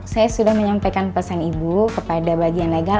saya sudah menyampaikan pesan ibu kepada bagian legal